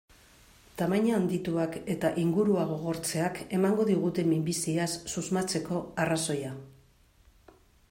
Tamaina handituak eta ingurua gogortzeak emango digute minbiziaz susmatzeko arrazoia.